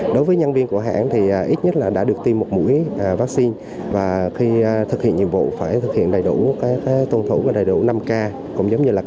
đối với nhân viên của hãng thì ít nhất là đã được tiêm một mũi vaccine và khi thực hiện nhiệm vụ phải thực hiện đầy đủ tôn thủ và đầy đủ năm k